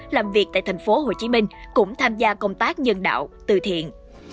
làm việc tại thành phố hồ chí minh cũng tham gia công tác nhân đạo từ thiện